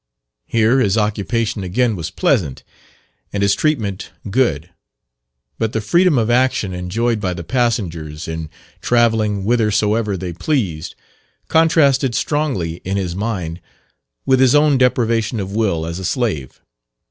Here his occupation again was pleasant, and his treatment good; but the freedom of action enjoyed by the passengers in travelling whithersoever they pleased, contrasted strongly in his mind with his own deprivation of will as a slave.